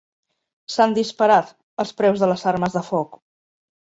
S'han disparat, els preus de les armes de foc.